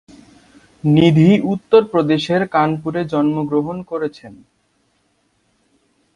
নিধি উত্তর প্রদেশের কানপুরে জন্মগ্রহণ করেছেন।